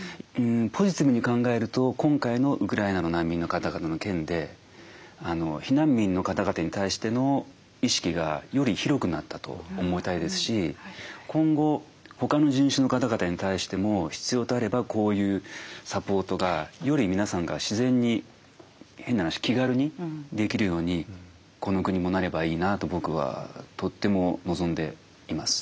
ポジティブに考えると今回のウクライナの難民の方々の件で避難民の方々に対しての意識がより広くなったと思いたいですし今後他の人種の方々に対しても必要とあればこういうサポートがより皆さんが自然に変な話気軽にできるようにこの国もなればいいなと僕はとっても望んでいます。